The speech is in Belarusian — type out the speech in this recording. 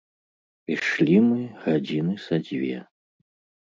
Ішлі мы гадзіны са дзве.